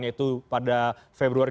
yaitu pada februari dua ribu dua puluh empat